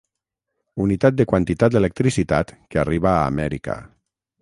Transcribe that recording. Unitat de quantitat d'electricitat que arriba a Amèrica.